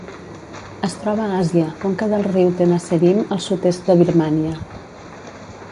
Es troba a Àsia: conca del riu Tenasserim al sud-est de Birmània.